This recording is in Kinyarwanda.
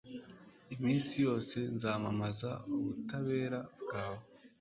iminsi yose nzamamaza ubutabera bwawe